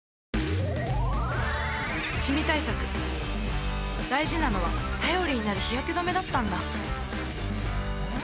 シミ対策大事なのは頼りになる日焼け止めだったんだ